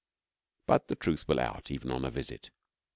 But Truth will out even on a visit.